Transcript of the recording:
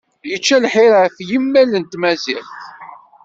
Yečča lḥir ɣef yimmal n Tmaziɣt.